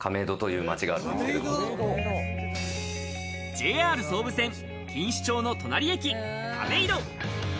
ＪＲ総武線錦糸町の隣駅・亀戸。